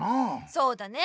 そうだね！